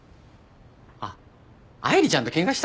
あっ愛梨ちゃんとケンカした？